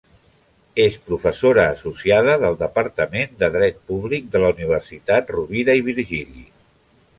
És professora associada del departament de Dret Públic de la Universitat Rovira i Virgili.